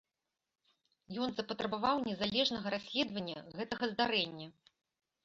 Ён запатрабаваў незалежнага расследавання гэтага здарэння.